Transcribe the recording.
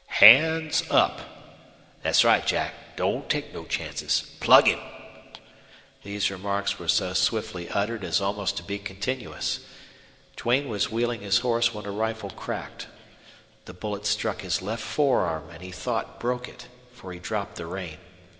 "Hands up!" "Thet's right, Jack; don't take no chances. Plug him!" These remarks were so swiftly uttered as almost to be continuous. Duane was wheeling his horse when a rifle cracked. The bullet struck his left forearm and he thought broke it, for he dropped the rein.